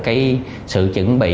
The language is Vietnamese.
cái sự chuẩn bị